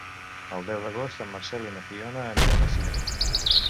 El deu d'agost en Marcel i na Fiona aniran al cinema.